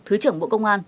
thứ trưởng bộ công an